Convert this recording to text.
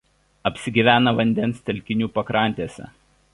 Apsigyvena vandens telkinių pakrantėse.